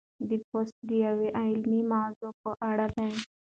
دا پوسټ د یوې علمي موضوع په اړه دی.